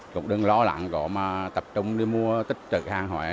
cũng đừng lo lặng gọi tập trung mua tích trực hàng hóa